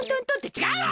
ちがうわ！